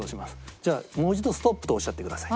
じゃあもう一度「ストップ」とおっしゃってください。